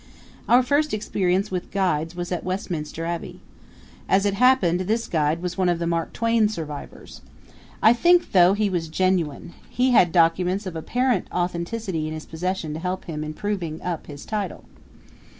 Our first experience with guides was at Westminster Abbey. As it happened, this guide was one of the Mark Twain survivors. I think, though, he was genuine; he had documents of apparent authenticity in his possession to help him in proving up his title.